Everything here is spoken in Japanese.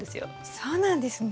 そうなんですね。